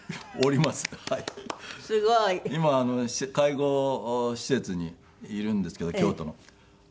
今介護施設にいるんですけど京都の。